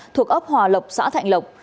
thuộc ốc hòa lộc xã thạnh lộc